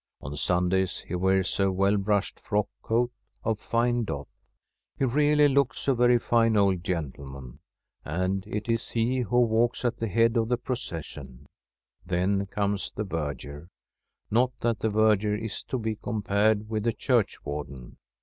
On Sundays he wears a well brushed frock coat of fine cloth. He really loolo a very fine old gentleman, and it is he who walks at the head of the procession. Then comes the verger. Not that the verger is to be compared with the churchwarden.